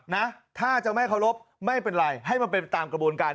นะถ้าจะไม่เคารพไม่เป็นไรให้มันเป็นตามกระบวนการ